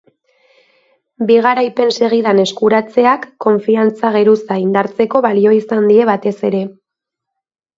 Bi garaipen segidan eskuratzeak konfiantza geruza indartzeko balio izan die batez ere.